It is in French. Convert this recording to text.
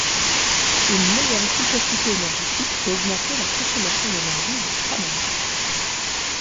Une meilleure efficacité énergétique peut augmenter la consommation d'énergie de trois manières.